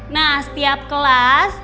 nah setiap kelas